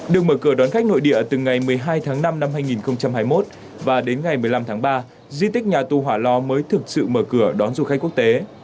được mở cửa đón khách nội địa từ ngày một mươi hai tháng năm năm hai nghìn hai mươi một và đến ngày một mươi năm tháng ba di tích nhà tù hỏa lò mới thực sự mở cửa đón du khách quốc tế